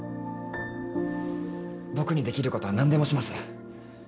僕にできることは何でもします。